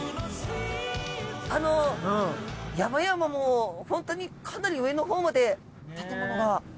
あの山々もホントにかなり上のほうまで建物が。